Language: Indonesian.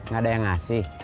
gak ada yang ngasih